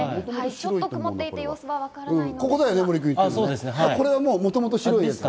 ちょっと曇っていて様子はわからないんですが。